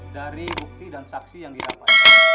dari bukti dan saksi yang didapat